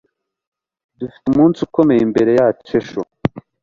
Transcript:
Dufite umunsi ukomeye imbere yacu ejo